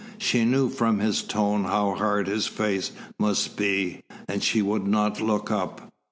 She knew from his tone how hard his face must be, and she would not look up.